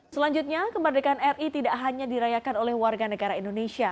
selanjutnya kemerdekaan ri tidak hanya dirayakan oleh warga negara indonesia